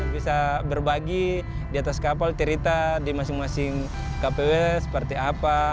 bisa berbagi di atas kapal cerita di masing masing kpw seperti apa